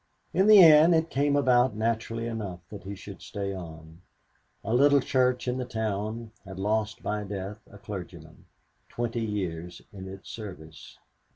In the end it came about naturally enough that he should stay on. A little church in the town had lost by death a clergyman, twenty years in its service.